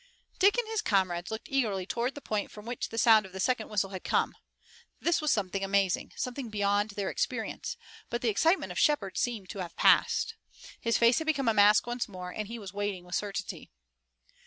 Dick and his comrades looked eagerly toward the point from which the sound of the second whistle had come. This was something amazing, something beyond their experience, but the excitement of Shepard seemed to have passed. His face had become a mask once more, and he was waiting with certainty.